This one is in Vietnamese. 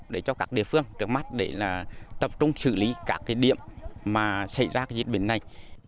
để cho các địa phương trước mắt để tập trung xử lý các cái điểm mà xảy ra diễn biến này